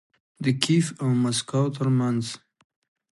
د کیف او مسکو ترمنځ